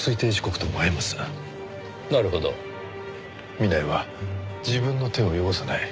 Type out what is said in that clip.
南井は自分の手を汚さない。